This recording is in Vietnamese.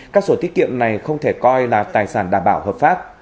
các sổ tiết kiệm này không thể coi là tài sản đảm bảo hợp pháp